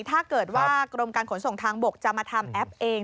ถ้าเกิดว่ากรมการขนส่งทางบกจะมาทำแอปเอง